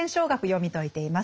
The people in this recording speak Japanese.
読み解いています。